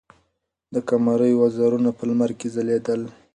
د قمرۍ وزرونه په لمر کې ځلېدل.